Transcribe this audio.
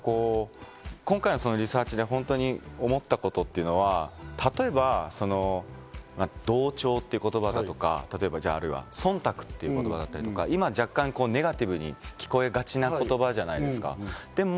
今回のリサーチで本当に思ったことというのは、例えば同調という言葉だったり、あるいは忖度というものだったり、今若干ネガティブに聞こえがちな言葉じゃないですか。